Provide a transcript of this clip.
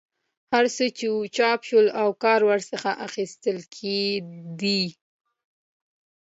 هر څه چې وو چاپ شول او کار ورڅخه اخیستل کېدی.